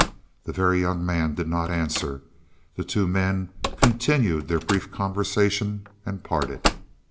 The Very Young Man did not answer; the two men continued their brief conversation and parted.